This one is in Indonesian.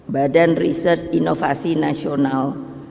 badan research inovasi nasional